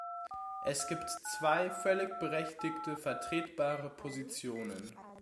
Es gibt zwei völlig berechtigte, vertretbare Positionen.